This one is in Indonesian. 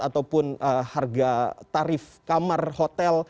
ataupun harga tarif kamar hotel